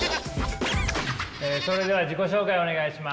それでは自己紹介お願いします。